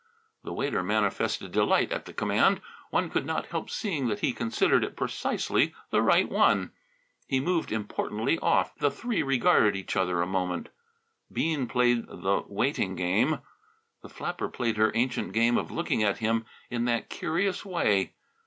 The waiter manifested delight at the command; one could not help seeing that he considered it precisely the right one. He moved importantly off. The three regarded each other a moment. Bean played the waiting game. The flapper played her ancient game of looking at him in that curious way.